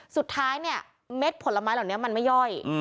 สุดท้ายเนี่ยเม็ดผลไม้เหล่านี้มันไม่ย่อย